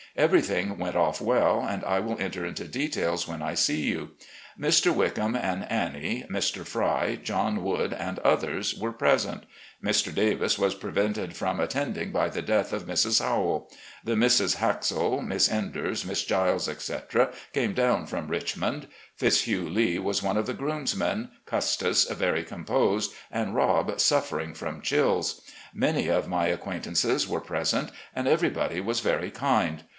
Every thing went off well, and I will enter into details when I see you. Mr. Wickham and Annie, Mr. Fry, John Wood, and others were present. Mr. Davis was prevented from at tending by the death of Mrs. Howell. The Misses Haxall, Miss Enders, Miss Giles, etc., came down from Richmond. Fitzhugh Lee was one of the groomsmen, Custis very com posed, and Rob suffering from chills. Many of my acquaintances were present, and everybody was very kind.